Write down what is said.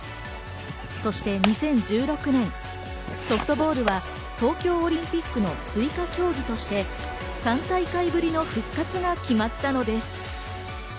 そして２０１６年、ソフトボールは東京オリンピックの追加競技として３大会ぶりの復活が決まったのです。